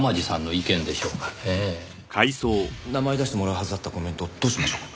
名前出してもらうはずだったコメントどうしましょうか？